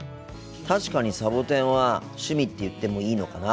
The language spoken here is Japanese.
確かにサボテンは趣味って言ってもいいのかな。